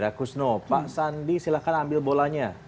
irakusno pak sandi silahkan ambil bolanya